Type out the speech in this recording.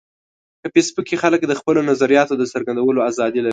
په فېسبوک کې خلک د خپلو نظریاتو د څرګندولو ازادي لري